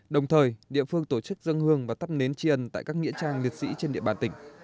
đồng thời địa phương tổ chức dân hương và tắp nến tri ân tại các nghĩa trang liệt sĩ trên địa bàn tỉnh